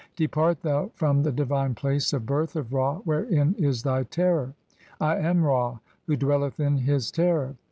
Depart thou from the divine place of "birth of Ra wherein is thy terror. I am'Ra who dwelleth in "his terror.